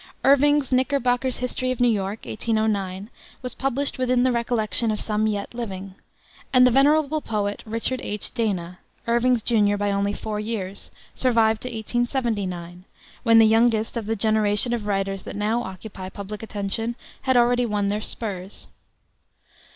Irving's Knickerbocker's History of New York, 1809, was published within the recollection of some yet living, and the venerable poet, Richard H. Dana Irving's junior by only four years survived to 1879, when the youngest of the generation of writers that now occupy public attention had already won their spurs.